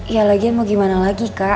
ya lagian mau gimana lagi kak